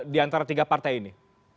diantara tiga partai ini